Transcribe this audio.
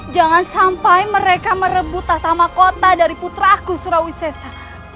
jangan sampai mereka merebut tatamakota dari puteraku surawisesa